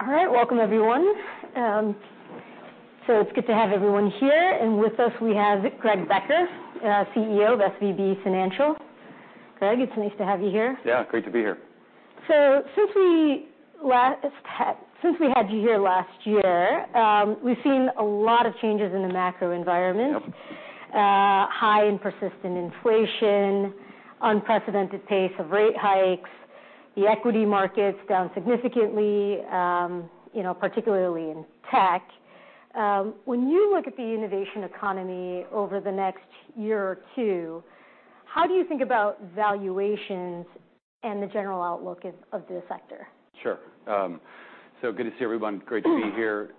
All right. Welcome, everyone. So it's good to have everyone here, and with us, we have Greg Becker, CEO of SVB Financial. Greg, it's nice to have you here. Yeah, great to be here. So since we had you here last year, we've seen a lot of changes in the macro environment: high and persistent inflation, unprecedented pace of rate hikes, the equity markets down significantly, particularly in tech. When you look at the innovation economy over the next year or two, how do you think about valuations and the general outlook of the sector? Sure. So good to see everyone. Great to be here.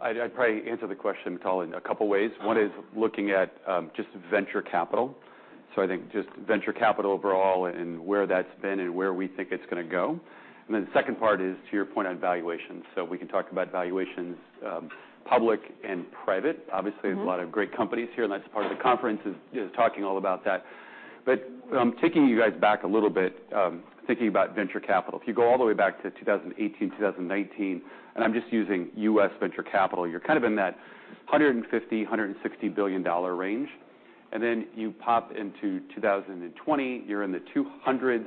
I'd probably answer the question, Colin, a couple of ways. One is looking at just venture capital. So I think just venture capital overall and where that's been and where we think it's going to go. And then the second part is, to your point on valuations, so we can talk about valuations, public and private. Obviously, there's a lot of great companies here, and that's part of the conference, is talking all about that. But taking you guys back a little bit, thinking about venture capital, if you go all the way back to 2018, 2019, and I'm just using U.S. venture capital, you're kind of in that $150-$160 billion range. And then you pop into 2020, you're in the 200s.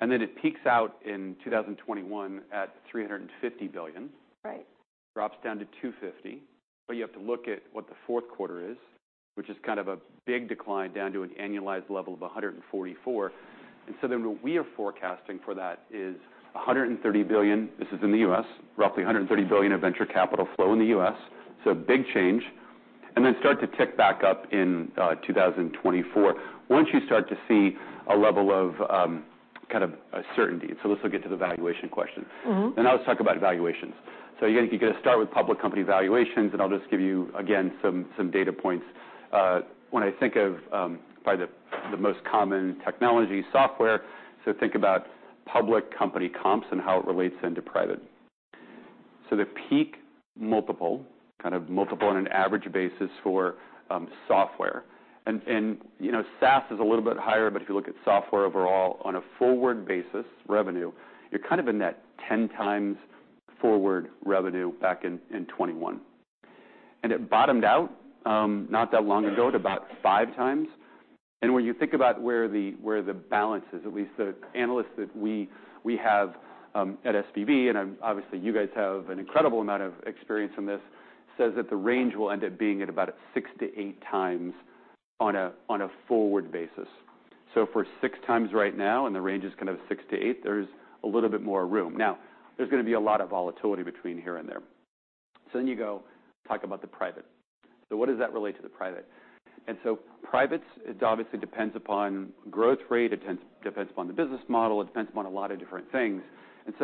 And then it peaks out in 2021 at $350 billion, drops down to $250. But you have to look at what the fourth quarter is, which is kind of a big decline down to an annualized level of $144. And so then what we are forecasting for that is $130 billion. This is in the U.S., roughly $130 billion of venture capital flow in the U.S. So big change. And then start to tick back up in 2024 once you start to see a level of kind of certainty. So let's look at the valuation question. And I always talk about valuations. So you're going to start with public company valuations, and I'll just give you, again, some data points. When I think of probably the most common technology, software, so think about public company comps and how it relates into private. So the peak multiple, kind of multiple on an average basis for software. SaaS is a little bit higher, but if you look at software overall on a forward basis revenue, you're kind of in that 10 times forward revenue back in 2021. It bottomed out not that long ago to about 5 times. When you think about where the balance is, at least the analysts that we have at SVB, and obviously, you guys have an incredible amount of experience in this, says that the range will end up being at about 6 to 8 times on a forward basis. For 6 times right now, and the range is kind of 6 to 8, there's a little bit more room. Now, there's going to be a lot of volatility between here and there. Then you go talk about the private. What does that relate to the private? Privates, it obviously depends upon growth rate. It depends upon the business model. It depends upon a lot of different things, and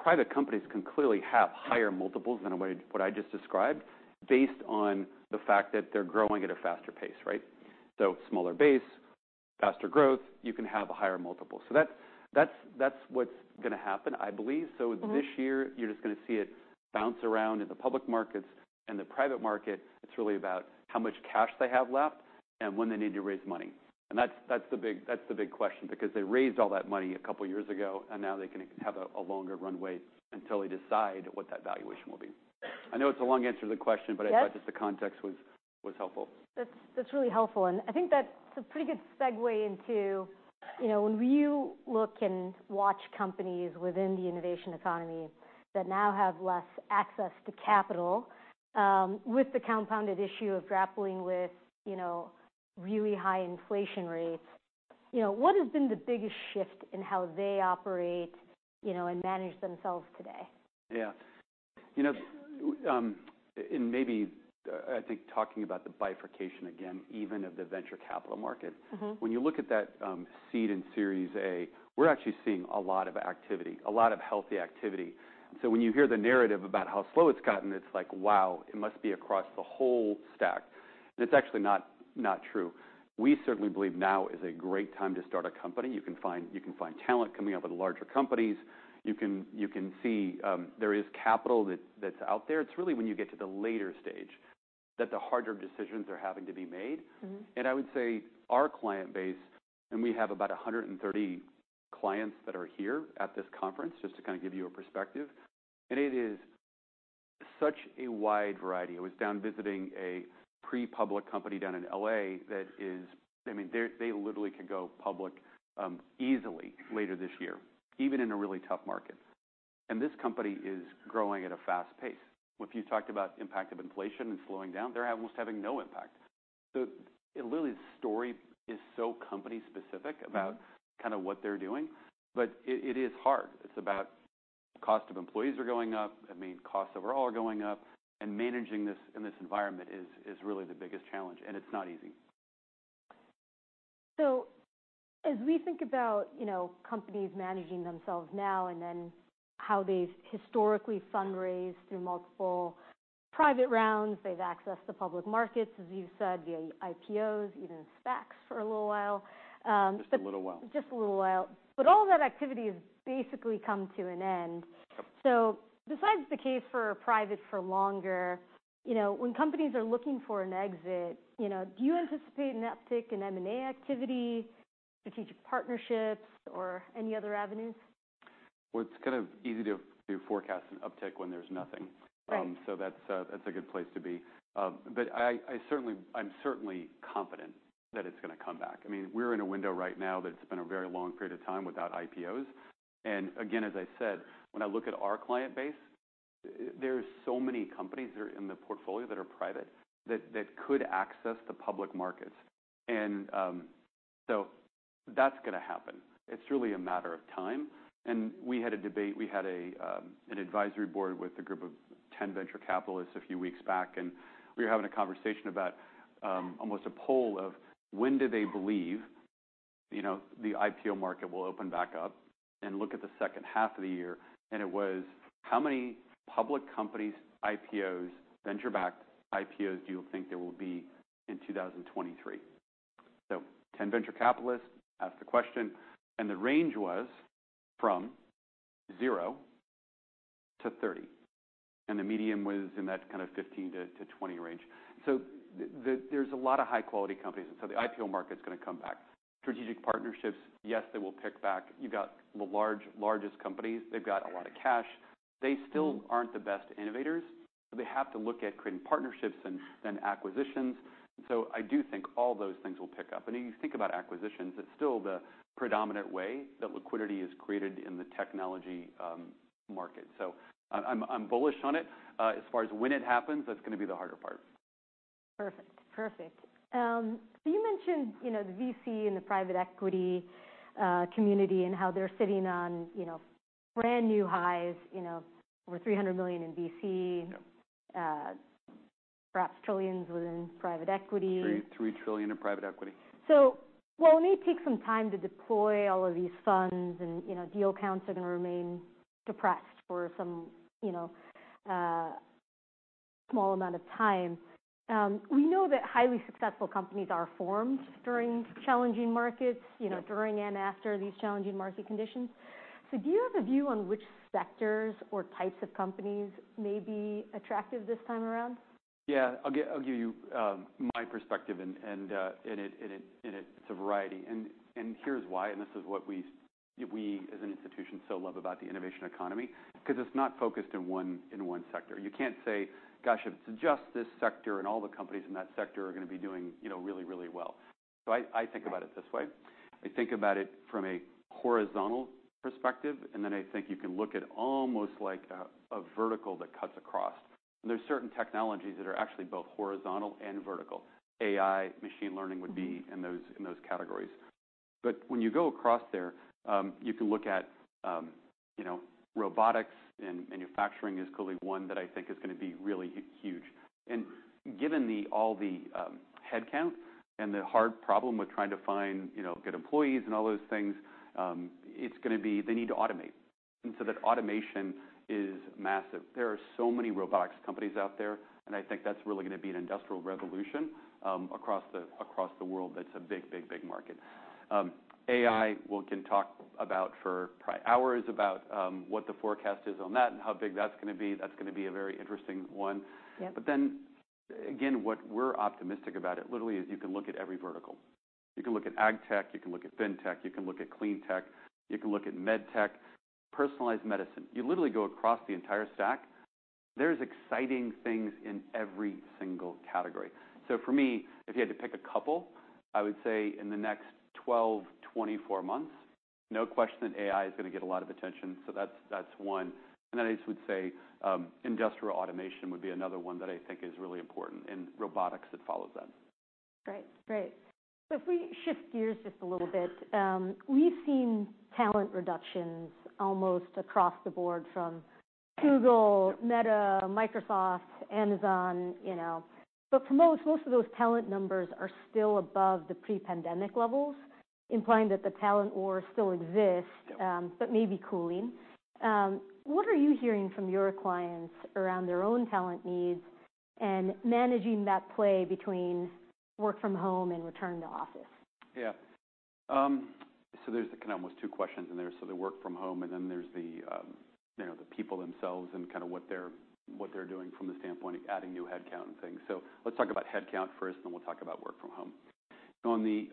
so private companies can clearly have higher multiples than what I just described based on the fact that they're growing at a faster pace, right, so smaller base, faster growth, you can have a higher multiple, so that's what's going to happen, I believe, so this year, you're just going to see it bounce around in the public markets. In the private market, it's really about how much cash they have left and when they need to raise money, and that's the big question because they raised all that money a couple of years ago, and now they can have a longer runway until they decide what that valuation will be. I know it's a long answer to the question, but I thought just the context was helpful. That's really helpful. And I think that's a pretty good segue into when you look and watch companies within the innovation economy that now have less access to capital with the compounded issue of grappling with really high inflation rates, what has been the biggest shift in how they operate and manage themselves today? Yeah, and maybe I think talking about the bifurcation again, even of the venture capital market, when you look at that seed in Series A, we're actually seeing a lot of activity, a lot of healthy activity. And so when you hear the narrative about how slow it's gotten, it's like, wow, it must be across the whole stack, and it's actually not true. We certainly believe now is a great time to start a company. You can find talent coming out of the larger companies. You can see there is capital that's out there. It's really when you get to the later stage that the harder decisions are having to be made, and I would say our client base, and we have about 130 clients that are here at this conference, just to kind of give you a perspective, and it is such a wide variety. I was down visiting a pre-public company down in LA that is, I mean, they literally could go public easily later this year, even in a really tough market, and this company is growing at a fast pace. If you talked about impact of inflation and slowing down, they're almost having no impact, so really, the story is so company-specific about kind of what they're doing, but it is hard. It's about cost of employees are going up. I mean, costs overall are going up, and managing this in this environment is really the biggest challenge, and it's not easy. So as we think about companies managing themselves now and then how they've historically fundraised through multiple private rounds, they've accessed the public markets, as you've said, via IPOs, even SPACs for a little while. Just a little while. Just a little while. But all that activity has basically come to an end. So besides the case for private for longer, when companies are looking for an exit, do you anticipate an uptick in M&A activity, strategic partnerships, or any other avenues? It's kind of easy to forecast an uptick when there's nothing. So that's a good place to be. But I'm certainly confident that it's going to come back. I mean, we're in a window right now that it's been a very long period of time without IPOs. And again, as I said, when I look at our client base, there are so many companies that are in the portfolio that are private that could access the public markets. And so that's going to happen. It's really a matter of time. And we had a debate. We had an advisory board with a group of 10 venture capitalists a few weeks back. And we were having a conversation about almost a poll of when do they believe the IPO market will open back up and look at the second half of the year. It was, how many public companies' venture-backed IPOs do you think there will be in 2023? So 10 venture capitalists asked the question. The range was from 0 to 30. The median was in that kind of 15-20 range. There's a lot of high-quality companies. The IPO market's going to come back. Strategic partnerships, yes, they will pick up. You've got the largest companies. They've got a lot of cash. They still aren't the best innovators. They have to look at creating partnerships and then acquisitions. I do think all those things will pick up. If you think about acquisitions, it's still the predominant way that liquidity is created in the technology market. I'm bullish on it. As far as when it happens, that's going to be the harder part. Perfect. Perfect. So you mentioned the VC and the private equity community and how they're sitting on brand new highs, over $300 billion in VC, perhaps $ trillions within private equity.$3 trillion in private equity. So while it may take some time to deploy all of these funds and deal counts are going to remain depressed for some small amount of time, we know that highly successful companies are formed during challenging markets, during and after these challenging market conditions. So do you have a view on which sectors or types of companies may be attractive this time around? Yeah. I'll give you my perspective, and it's a variety, and here's why, and this is what we, as an institution, so love about the innovation economy because it's not focused in one sector. You can't say, "Gosh, if it's just this sector and all the companies in that sector are going to be doing really, really well," so I think about it this way. I think about it from a horizontal perspective, and then I think you can look at almost like a vertical that cuts across, and there's certain technologies that are actually both horizontal and vertical. AI, machine learning would be in those categories, but when you go across there, you can look at robotics, and manufacturing is clearly one that I think is going to be really huge. Given all the headcount and the hard problem with trying to find good employees and all those things, it's going to be they need to automate. And so that automation is massive. There are so many robotics companies out there. And I think that's really going to be an industrial revolution across the world. That's a big, big, big market. AI, we can talk for probably hours about what the forecast is on that and how big that's going to be. That's going to be a very interesting one. But then, again, what we're optimistic about it literally is you can look at every vertical. You can look at agtech. You can look at fintech. You can look at cleantech. You can look at medtech, personalized medicine. You literally go across the entire stack. There's exciting things in every single category. So for me, if you had to pick a couple, I would say in the next 12-24 months, no question that AI is going to get a lot of attention. So that's one. And then I would say industrial automation would be another one that I think is really important, and robotics that follows that. Great. Great. So if we shift gears just a little bit, we've seen talent reductions almost across the board from Google, Meta, Microsoft, Amazon. But for most, most of those talent numbers are still above the pre-pandemic levels, implying that the talent war still exists, but maybe cooling. What are you hearing from your clients around their own talent needs and managing that play between work from home and return to office? Yeah. So there's kind of almost two questions in there. So the work from home, and then there's the people themselves and kind of what they're doing from the standpoint of adding new headcount and things. So let's talk about headcount first, and then we'll talk about work from home. On the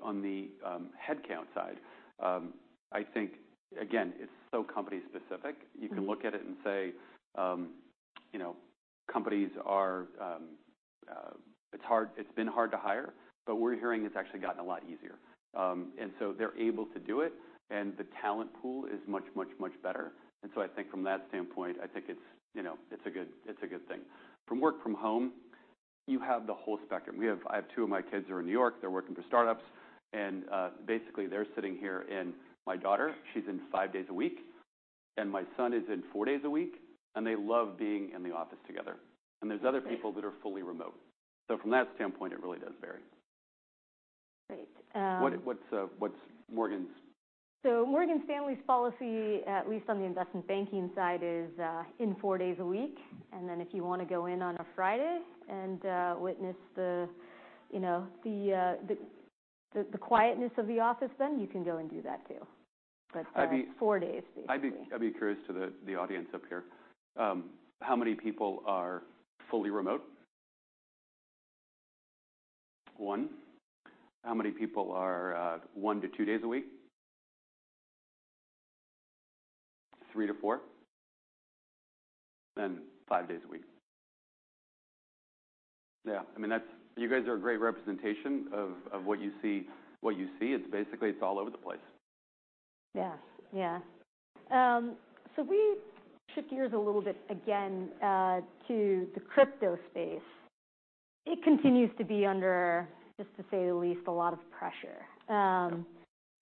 headcount side, I think, again, it's so company-specific. You can look at it and say companies are. It's been hard to hire, but we're hearing it's actually gotten a lot easier. And so they're able to do it. And the talent pool is much, much, much better. And so I think from that standpoint, I think it's a good thing. From work from home, you have the whole spectrum. I have two of my kids who are in New York. They're working for startups. And basically, they're sitting here, and my daughter, she's in five days a week. And my son is in four days a week. And they love being in the office together. And there's other people that are fully remote. So from that standpoint, it really does vary. Great. What's Morgan's? So Morgan Stanley's policy, at least on the investment banking side, is four days a week. And then if you want to go in on a Friday and witness the quietness of the office, then you can go and do that too. But four days basically. I'd be curious to the audience up here. How many people are fully remote? One. How many people are one to two days a week? Three to four? Then five days a week. Yeah. I mean, you guys are a great representation of what you see. It's basically all over the place. Yeah. Yeah. So if we shift gears a little bit again to the crypto space, it continues to be under, just to say the least, a lot of pressure.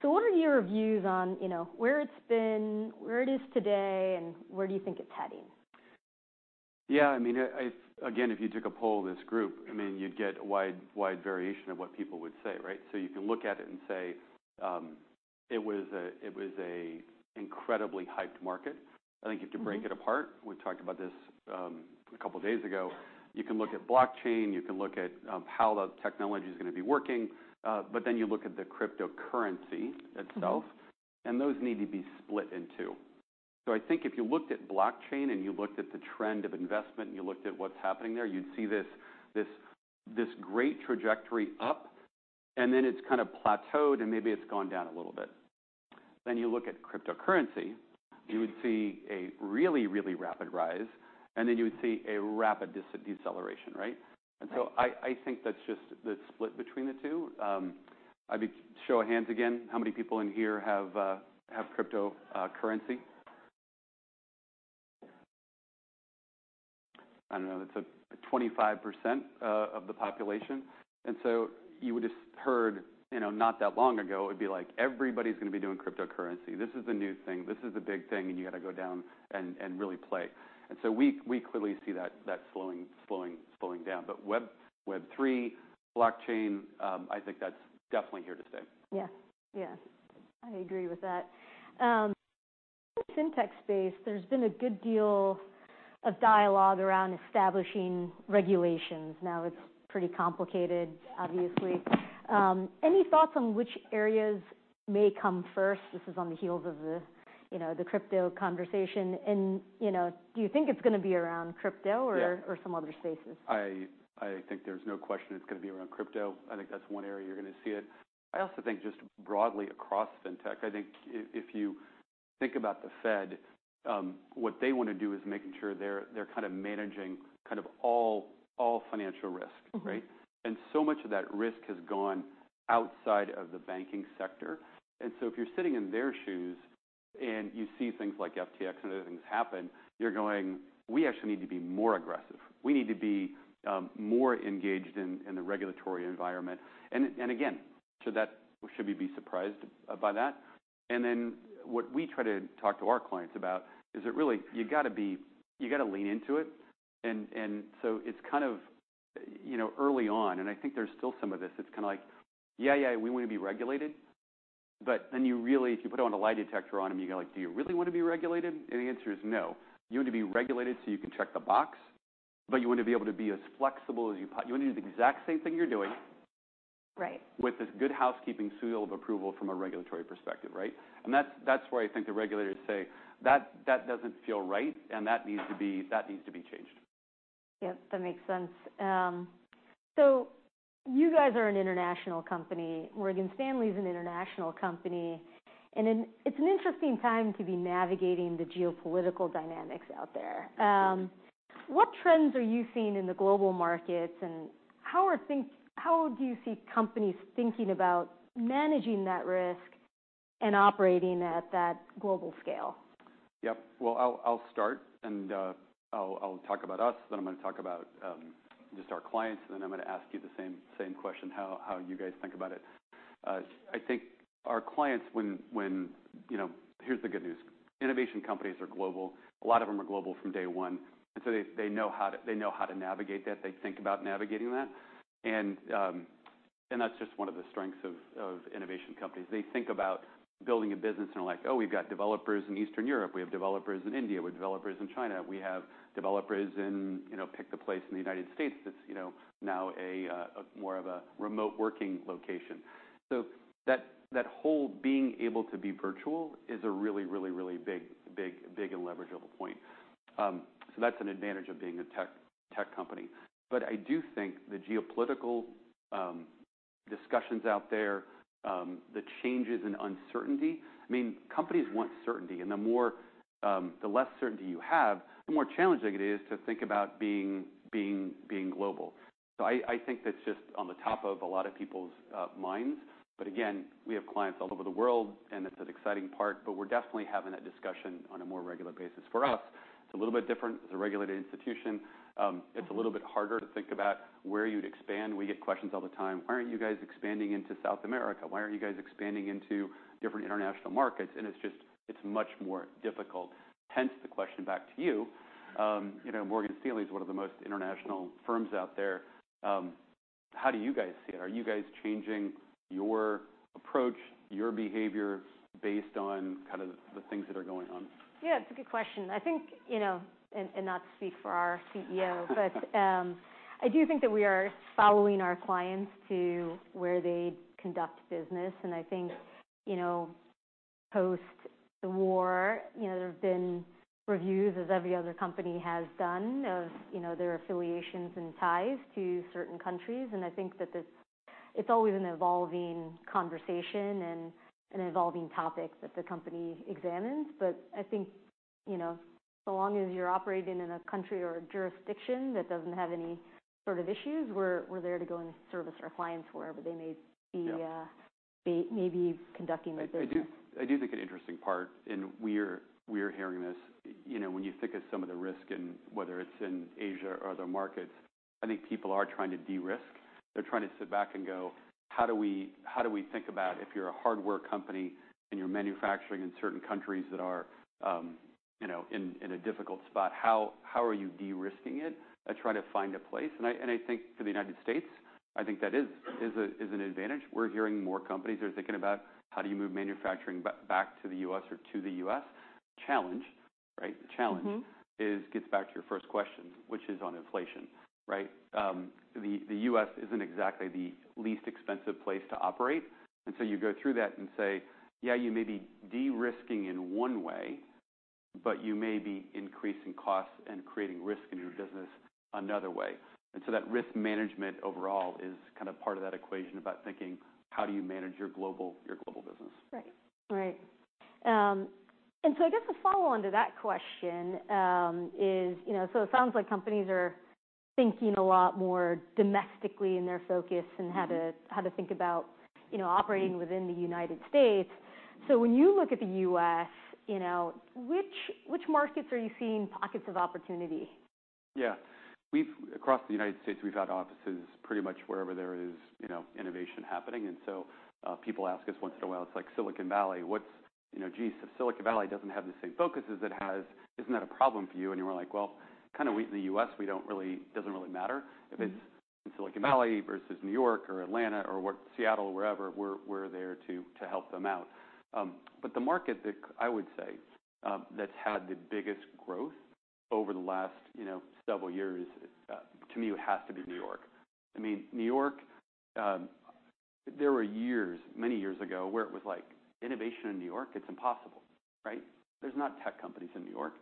So what are your views on where it's been, where it is today, and where do you think it's heading? Yeah. I mean, again, if you took a poll of this group, I mean, you'd get a wide variation of what people would say, right? So you can look at it and say it was an incredibly hyped market. I think if you break it apart, we talked about this a couple of days ago. You can look at blockchain. You can look at how the technology is going to be working. But then you look at the cryptocurrency itself. And those need to be split in two. So I think if you looked at blockchain and you looked at the trend of investment and you looked at what's happening there, you'd see this great trajectory up. And then it's kind of plateaued and maybe it's gone down a little bit. Then you look at cryptocurrency, you would see a really, really rapid rise. And then you would see a rapid deceleration, right? And so I think that's just the split between the two. I'd show hands again. How many people in here have cryptocurrency? I don't know. It's 25% of the population. And so you would have heard not that long ago, it would be like, "Everybody's going to be doing cryptocurrency. This is the new thing. This is the big thing." And you got to go down and really play. And so we clearly see that slowing down. But Web3, blockchain, I think that's definitely here to stay. Yeah. Yeah. I agree with that. In the fintech space, there's been a good deal of dialogue around establishing regulations. Now, it's pretty complicated, obviously. Any thoughts on which areas may come first? This is on the heels of the crypto conversation. And do you think it's going to be around crypto or some other spaces? I think there's no question it's going to be around crypto. I think that's one area you're going to see it. I also think just broadly across fintech, I think if you think about the Fed, what they want to do is making sure they're kind of managing kind of all financial risk, right? And so much of that risk has gone outside of the banking sector. And so if you're sitting in their shoes and you see things like FTX and other things happen, you're going, "We actually need to be more aggressive. We need to be more engaged in the regulatory environment." And again, should we be surprised by that? And then what we try to talk to our clients about is that really, you got to lean into it. And so it's kind of early on. And I think there's still some of this. It's kind of like, "Yeah, yeah, we want to be regulated." But then you really, if you put on a lie detector on them, you're like, "Do you really want to be regulated?" And the answer is no. You want to be regulated so you can check the box. But you want to be able to be as flexible as you want to do the exact same thing you're doing with this good housekeeping seal of approval from a regulatory perspective, right? And that's where I think the regulators say, "That doesn't feel right. And that needs to be changed. Yep. That makes sense. So you guys are an international company. Morgan Stanley is an international company. And it's an interesting time to be navigating the geopolitical dynamics out there. What trends are you seeing in the global markets? And how do you see companies thinking about managing that risk and operating at that global scale? Yep. Well, I'll start. And I'll talk about us. Then I'm going to talk about just our clients. And then I'm going to ask you the same question, how you guys think about it. I think our clients, here's the good news. Innovation companies are global. A lot of them are global from day one. And so they know how to navigate that. They think about navigating that. And that's just one of the strengths of innovation companies. They think about building a business. And they're like, "Oh, we've got developers in Eastern Europe. We have developers in India. We have developers in China. We have developers in pick the place in the United States that's now more of a remote working location." So that whole being able to be virtual is a really, really, really big and leverageable point. So that's an advantage of being a tech company. But I do think the geopolitical discussions out there, the changes in uncertainty, I mean, companies want certainty. And the less certainty you have, the more challenging it is to think about being global. So I think that's just on the top of a lot of people's minds. But again, we have clients all over the world. And it's an exciting part. But we're definitely having that discussion on a more regular basis. For us, it's a little bit different. It's a regulated institution. It's a little bit harder to think about where you'd expand. We get questions all the time. "Why aren't you guys expanding into South America? Why aren't you guys expanding into different international markets?" And it's much more difficult. Hence the question back to you. Morgan Stanley is one of the most international firms out there. How do you guys see it? Are you guys changing your approach, your behavior based on kind of the things that are going on? Yeah. It's a good question. I think, and not to speak for our CEO, but I do think that we are following our clients to where they conduct business. And I think post the war, there have been reviews, as every other company has done, of their affiliations and ties to certain countries. And I think that it's always an evolving conversation and an evolving topic that the company examines. But I think so long as you're operating in a country or a jurisdiction that doesn't have any sort of issues, we're there to go and service our clients wherever they may be conducting their business. I do think an interesting part, and we are hearing this. When you think of some of the risk in whether it's in Asia or other markets, I think people are trying to de-risk. They're trying to sit back and go, "How do we think about if you're a hardware company and you're manufacturing in certain countries that are in a difficult spot, how are you de-risking it?" And trying to find a place. And I think for the United States, I think that is an advantage. We're hearing more companies are thinking about how do you move manufacturing back to the US or to the US. Challenge, right? The challenge gets back to your first question, which is on inflation, right? The US isn't exactly the least expensive place to operate. And so you go through that and say, "Yeah, you may be de-risking in one way, but you may be increasing costs and creating risk in your business another way." And so that risk management overall is kind of part of that equation about thinking, "How do you manage your global business? Right. Right. And so I guess the follow-on to that question is, so it sounds like companies are thinking a lot more domestically in their focus and how to think about operating within the United States. So when you look at the US, which markets are you seeing pockets of opportunity? Yeah. Across the United States, we've had offices pretty much wherever there is innovation happening, and so people ask us once in a while. It's like Silicon Valley. What's, "Geez, if Silicon Valley doesn't have the same focus as it has, isn't that a problem for you?" You're like, "Well, kind of in the US, it doesn't really matter. If it's in Silicon Valley versus New York or Atlanta or Seattle or wherever, we're there to help them out." The market that I would say that's had the biggest growth over the last several years, to me, it has to be New York. I mean, New York. There were years, many years ago, where it was like, "Innovation in New York, it's impossible," right? There's not tech companies in New York.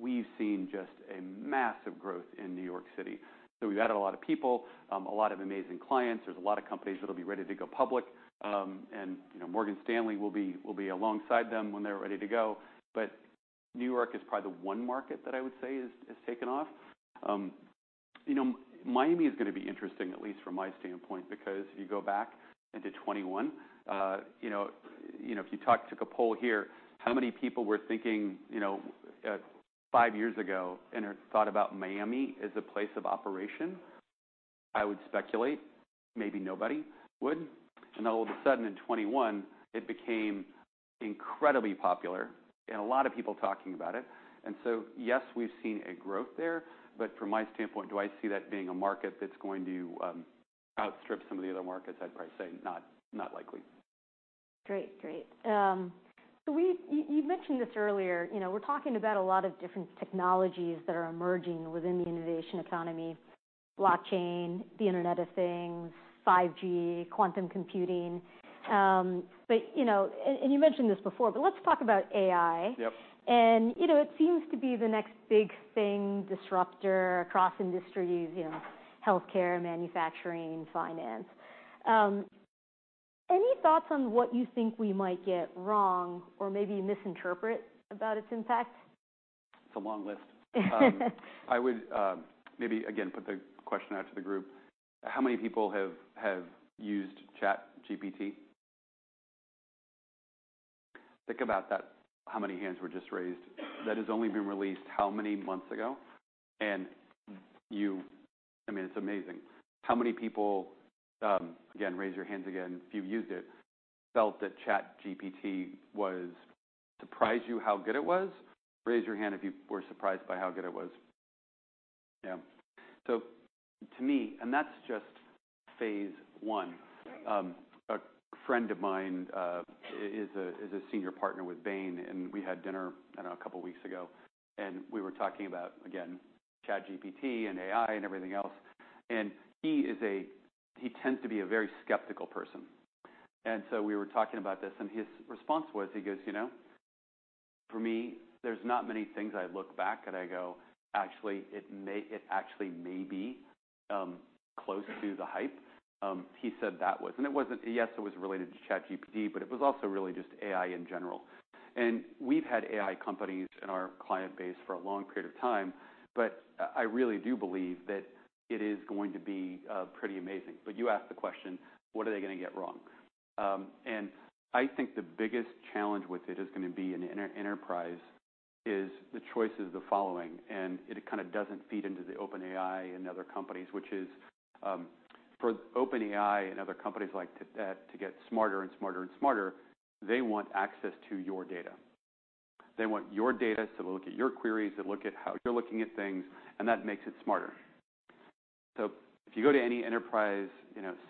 We've seen just a massive growth in New York City. So we've added a lot of people, a lot of amazing clients. There's a lot of companies that will be ready to go public. And Morgan Stanley will be alongside them when they're ready to go. But New York is probably the one market that I would say has taken off. Miami is going to be interesting, at least from my standpoint, because if you go back into 2021, if you took a poll here, how many people were thinking five years ago and thought about Miami as a place of operation? I would speculate maybe nobody would. And all of a sudden, in 2021, it became incredibly popular and a lot of people talking about it. And so yes, we've seen a growth there. But from my standpoint, do I see that being a market that's going to outstrip some of the other markets? I'd probably say not likely. Great. Great. So you mentioned this earlier. We're talking about a lot of different technologies that are emerging within the innovation economy: blockchain, the Internet of Things, 5G, quantum computing. And you mentioned this before, but let's talk about AI. And it seems to be the next big thing, disruptor across industries: healthcare, manufacturing, finance. Any thoughts on what you think we might get wrong or maybe misinterpret about its impact? It's a long list. I would maybe, again, put the question out to the group. How many people have used ChatGPT? Think about how many hands were just raised. That has only been released how many months ago? And I mean, it's amazing. How many people, again, raise your hands again if you've used it, felt that ChatGPT surprised you how good it was? Raise your hand if you were surprised by how good it was. Yeah. So to me, and that's just phase one. A friend of mine is a senior partner with Bain. And we had dinner a couple of weeks ago. And we were talking about, again, ChatGPT and AI and everything else. And he tends to be a very skeptical person. And so we were talking about this. And his response was, he goes, "For me, there's not many things I look back at. I go, "Actually, it actually may be close to the hype." He said that wasn't it. Yes, it was related to ChatGPT, but it was also really just AI in general. And we've had AI companies in our client base for a long period of time. But I really do believe that it is going to be pretty amazing. But you asked the question, "What are they going to get wrong?" And I think the biggest challenge with it is going to be in enterprise: the choice is the following. And it kind of doesn't feed into the OpenAI and other companies, which is for OpenAI and other companies to get smarter and smarter and smarter, they want access to your data. They want your data to look at your queries, to look at how you're looking at things. And that makes it smarter. So if you go to any enterprise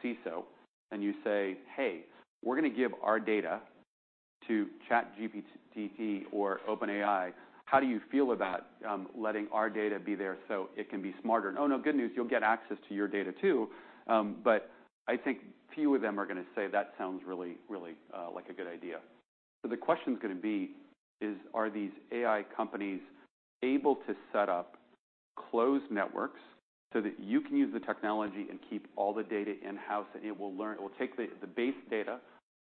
CISO and you say, "Hey, we're going to give our data to ChatGPT or OpenAI. How do you feel about letting our data be there so it can be smarter?" "Oh, no, good news. You'll get access to your data too." But I think few of them are going to say, "That sounds really like a good idea." So the question's going to be, are these AI companies able to set up closed networks so that you can use the technology and keep all the data in-house? And it will take the base data,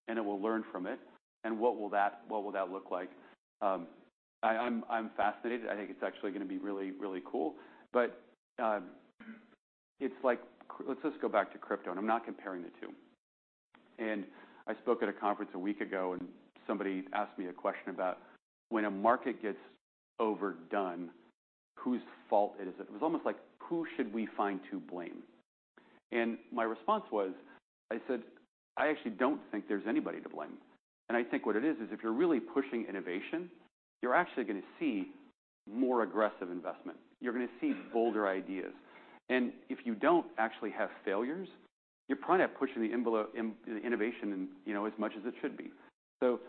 and it will learn from it. And what will that look like? I'm fascinated. I think it's actually going to be really, really cool. But it's like, let's just go back to crypto. And I'm not comparing the two. And I spoke at a conference a week ago, and somebody asked me a question about when a market gets overdone, whose fault it is. It was almost like, "Who should we find to blame?" And my response was, I said, "I actually don't think there's anybody to blame." And I think what it is, is if you're really pushing innovation, you're actually going to see more aggressive investment. You're going to see bolder ideas. And if you don't actually have failures, you're probably not pushing the innovation as much as it should be. So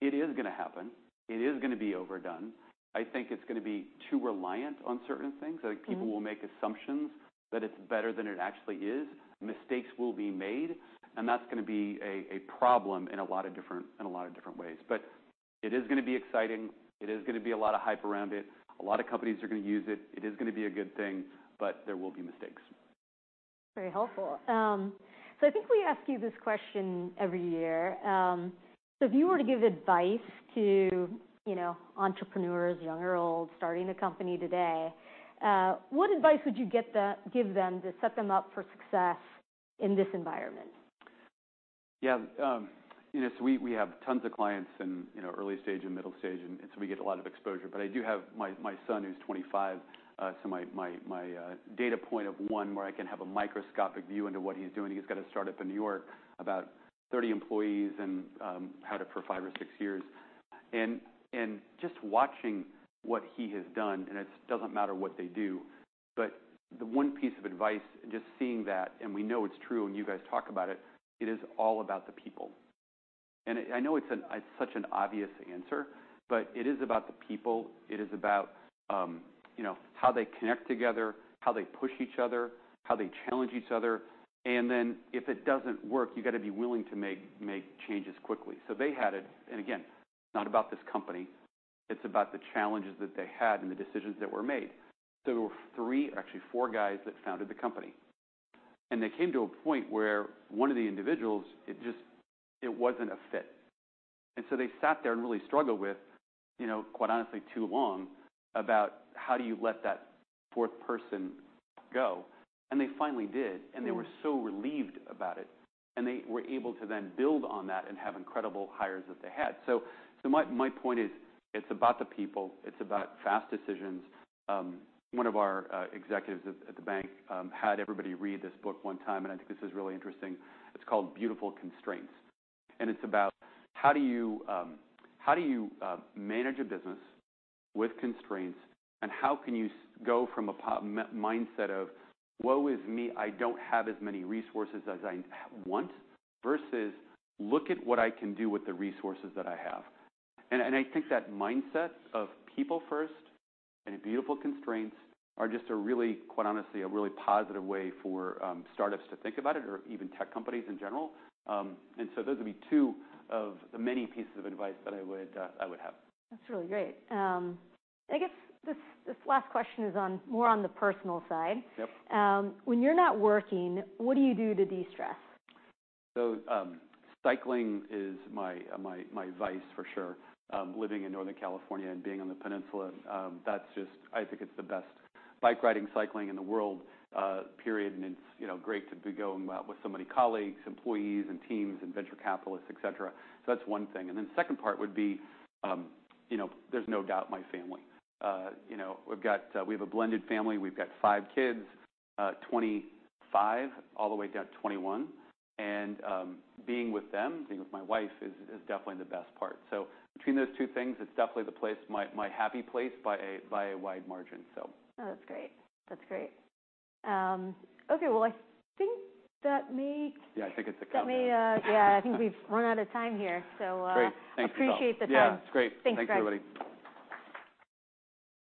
it is going to happen. It is going to be overdone. I think it's going to be too reliant on certain things. I think people will make assumptions that it's better than it actually is. Mistakes will be made. And that's going to be a problem in a lot of different ways. But it is going to be exciting. It is going to be a lot of hype around it. A lot of companies are going to use it. It is going to be a good thing, but there will be mistakes. Very helpful. So I think we ask you this question every year. So if you were to give advice to entrepreneurs, young or old, starting a company today, what advice would you give them to set them up for success in this environment? Yeah. So we have tons of clients in early stage and middle stage. And so we get a lot of exposure. But I do have my son, who's 25. So my data point of one where I can have a microscopic view into what he's doing. He's got a startup in New York, about 30 employees, and had it for five or six years. And just watching what he has done, and it doesn't matter what they do, but the one piece of advice, just seeing that, and we know it's true, and you guys talk about it, it is all about the people. And I know it's such an obvious answer, but it is about the people. It is about how they connect together, how they push each other, how they challenge each other. And then if it doesn't work, you got to be willing to make changes quickly. So they had it. And again, it's not about this company. It's about the challenges that they had and the decisions that were made. So there were three, actually four guys that founded the company. And they came to a point where one of the individuals, it wasn't a fit. And so they sat there and really struggled with, quite honestly, too long about how do you let that fourth person go. And they finally did. And they were so relieved about it. And they were able to then build on that and have incredible hires that they had. So my point is, it's about the people. It's about fast decisions. One of our executives at the bank had everybody read this book one time. And I think this is really interesting. It's called Beautiful Constraints. And it's about how do you manage a business with constraints? And how can you go from a mindset of, "Woe is me. I don't have as many resources as I want," versus, "Look at what I can do with the resources that I have." And I think that mindset of people first and Beautiful Constraints are just, quite honestly, a really positive way for startups to think about it or even tech companies in general. And so those would be two of the many pieces of advice that I would have. That's really great. I guess this last question is more on the personal side. When you're not working, what do you do to de-stress? Cycling is my vice for sure. Living in Northern California and being on the Peninsula, I think it's the best bike riding, cycling in the world, period. It's great to be going out with so many colleagues, employees, and teams, and venture capitalists, etc. That's one thing. Then the second part would be, there's no doubt my family. We have a blended family. We've got five kids, 25 all the way down to 21. Being with them, being with my wife, is definitely the best part. Between those two things, it's definitely my happy place by a wide margin, so. Oh, that's great. That's great. Okay. Well, I think that makes. Yeah, I think it's a compliment. Yeah. I think we've run out of time here. So. Great. Thanks for coming. Appreciate the time. Yeah. It's great. Thanks, everybody.